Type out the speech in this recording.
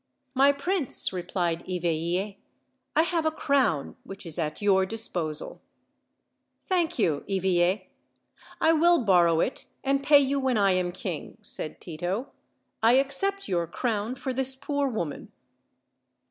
"My prince," replied Eveille, "I have a crown, which is at your disposal." "Thank you, Eveille; I will borrow it and pay you when I am king," said Tito. "I accept your crown for this poor woman."